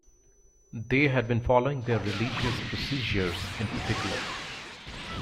They had been following their religious procedures in particular.